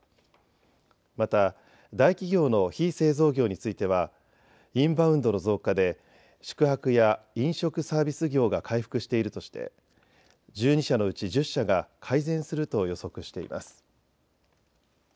また大企業の非製造業についてはインバウンドの増加で宿泊や飲食サービス業が回復しているとして、１２社のうち１０社が改善すると予測しています。